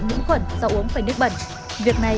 những khuẩn do uống phải nước bẩn việc này